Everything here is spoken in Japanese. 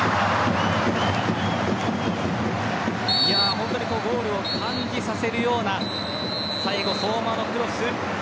本当にゴールを感じさせるような最後、相馬のクロス。